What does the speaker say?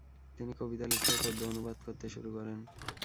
তিনি কবিতা লিখতে ও পদ্য অনুবাদ করতে শুরু করেন।